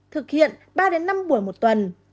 thực hiện ba năm buổi một tuần